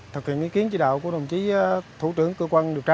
thập kiện ý kiến chế đạo của đồng chí thủ tướng cơ quan điều tra